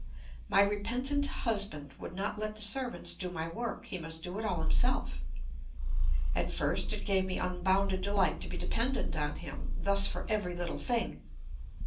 My repentant husband would not let the servants do my work; he must do it all himself. At first it gave me unbounded delight to be dependent on him thus for every little thing.